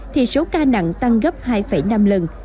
thì số ca nặng tăng gấp hai năm lần